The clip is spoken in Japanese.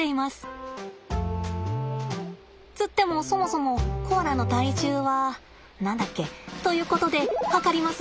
つってもそもそもコアラの体重は何だっけ？ということで量ります。